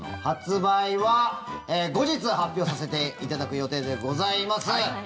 発売は後日、発表させていただく予定でございます。